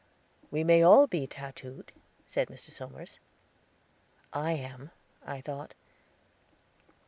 "We may all be tattooed," said Mr. Somers. "I am," I thought.